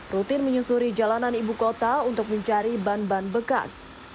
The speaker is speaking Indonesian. rutin menyusuri jalanan ibu kota untuk mencari ban ban bekas